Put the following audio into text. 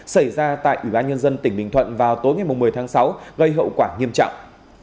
xảy ra tại ủy ban nhân dân tỉnh bình thuận vào tối ngày một mươi tháng sáu gây hậu quả nghiêm trọng